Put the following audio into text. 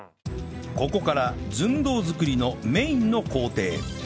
ここから寸胴作りのメインの工程